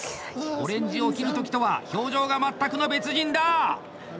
オレンジを切る時とは表情が全くの別人だ！